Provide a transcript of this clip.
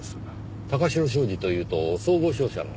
貴城商事というと総合商社の？